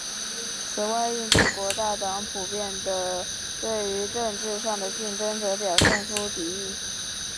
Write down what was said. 此外印度国大党普遍地对于政治上的竞争者表现出敌意。